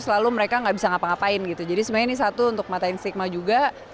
selalu mereka nggak bisa ngapa ngapain gitu jadi sebenarnya ini satu untuk mata yang stigma juga